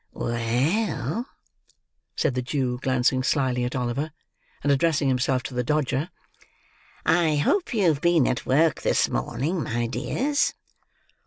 "Well," said the Jew, glancing slyly at Oliver, and addressing himself to the Dodger, "I hope you've been at work this morning, my dears?"